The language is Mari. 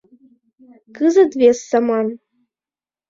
Кызыт вес саман.